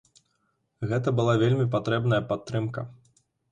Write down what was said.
Гэта была вельмі патрэбная падтрымка.